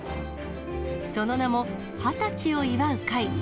その名も、二十歳を祝う会。